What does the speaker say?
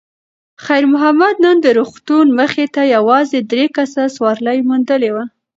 خیر محمد نن د روغتون مخې ته یوازې درې کسه سوارلي موندلې وه.